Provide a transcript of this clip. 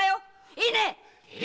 いいね！